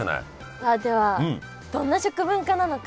さあではどんな食文化なのか？